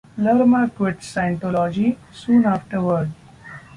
Lerma quit Scientology soon afterward.